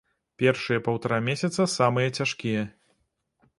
Першыя паўтара месяца самыя цяжкія.